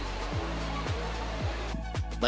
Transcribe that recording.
banyak orang yang berpikir ya ini tidak bisa